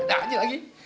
bok ada aja lagi